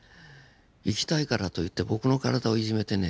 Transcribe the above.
生きたいからといって僕の体をいじめてね